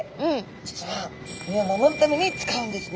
実は身を守るために使うんですね。